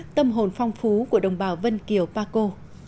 tâm hồn phong phú của đồng bào vân kiều pa co